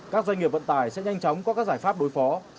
các doanh nghiệp vận tải sẽ nhanh chóng có các giải pháp đối phó